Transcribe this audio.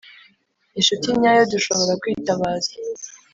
inshuti nyayo dushobora kwitabaza